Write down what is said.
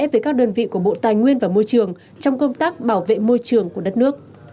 với các đơn vị của bộ tài nguyên và môi trường trong công tác bảo vệ môi trường của đất nước